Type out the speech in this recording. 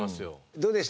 どうでした？